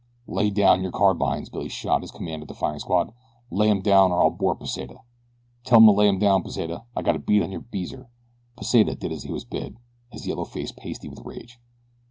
"Lay down your carbines!" Billy shot his command at the firing squad. "Lay 'em down or I'll bore Pesita. Tell 'em to lay 'em down, Pesita. I gotta bead on your beezer." Pesita did as he was bid, his yellow face pasty with rage.